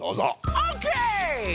オッケー！